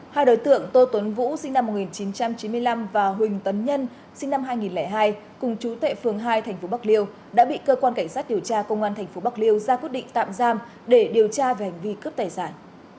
hai đối tượng tô tuấn vũ sinh năm một nghìn chín trăm chín mươi năm và huỳnh tấn nhân sinh năm hai nghìn hai cùng chú tệ phường hai tp bạc liêu đã bị cơ quan cảnh sát điều tra công an tp bạc liêu ra quyết định tạm giam để điều tra về hành vi cướp tài sản